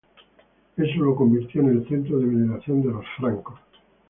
Eso lo convirtió en el centro de veneración de los francos.